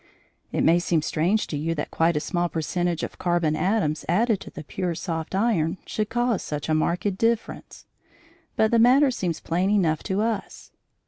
It may seem strange to you that quite a small percentage of carbon atoms added to the pure soft iron should cause such a marked difference, but the matter seems plain enough to us.